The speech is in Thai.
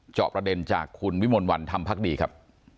จอบร่ะเด่นจากคุณวิมนศ์วานธรรมพักดีครับ